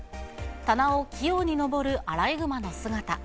棚を器用に登るアライグマの姿。